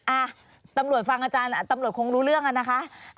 อ่ะตำรวจฟังอาจารย์ตำรวจคงรู้เรื่องอะนะคะ